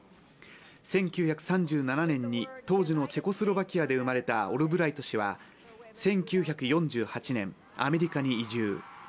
１９３７年に当時のチェコスロバキアで生まれたオルブライト氏は１９４８年、アメリカに移住。